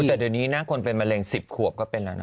แต่เดี๋ยวนี้นะคนเป็นมะเร็ง๑๐ขวบก็เป็นแล้วนะ